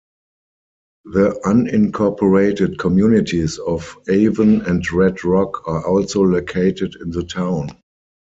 The unincorporated communities of Avon and Red Rock are also located in the town.